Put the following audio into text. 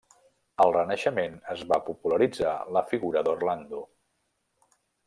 Al Renaixement es va popularitzar la figura d'Orlando.